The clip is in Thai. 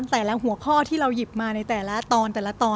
แต่ละหัวข้อที่เราหยิบมาในแต่ละตอน